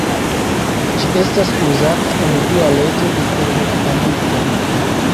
Ĝi estas uzata en Dua leĝo de termodinamiko.